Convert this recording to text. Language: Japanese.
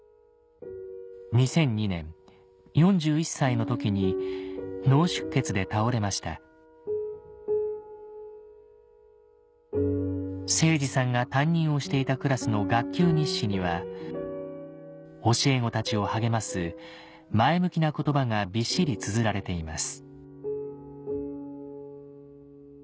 ２００２年４１歳の時に脳出血で倒れました誠治さんが担任をしていたクラスの学級日誌には教え子たちを励ます前向きな言葉がびっしりつづられています